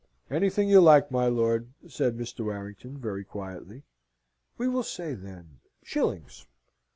"Anything you like, my lord," said Mr. Warrington, very quietly. "We will say, then, shillings."